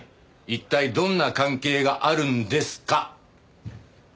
一体どんな関係があるんですか？